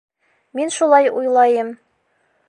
Мин шулай уйлайым.